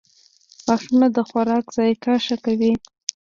• غاښونه د خوراک ذایقه ښه کوي.